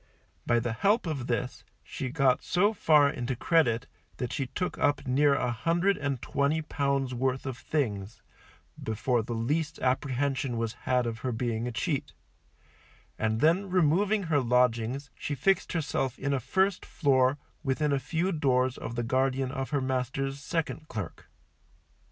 By the help of this she got so far into credit that she took up near a hundred and twenty pounds worth of things before the least apprehension was had of her being a cheat; and then removing her lodgings, she fixed herself in a first floor within a few doors of the guardian of her master's second clerk.